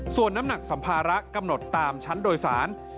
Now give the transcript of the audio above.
ส่วนน้ำหนักสัมภาระกำหนดตามชั้นโดยสาร